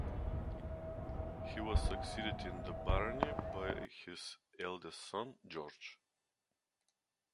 He was succeeded in the barony by his eldest son, George.